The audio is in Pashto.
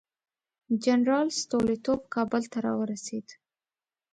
جنرال ستولیتوف کابل ته راورسېد.